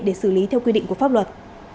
để xử lý theo quy định của pháp luật